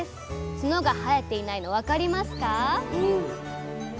角が生えていないの分かりますかうん。